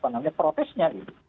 namanya protesnya ini